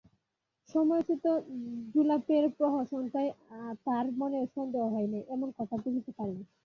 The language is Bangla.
সময়োচিত জোলাপের প্রহসনটায় তার মনেও সন্দেহ হয় নাই, এমন কথা বলিতে পারি না।